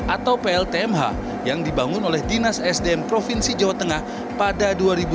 atau pltmh yang dibangun oleh dinas sdm provinsi jawa tengah pada dua ribu dua puluh